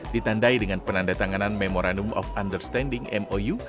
ditandai dengan penandatanganan memorandum of understanding mou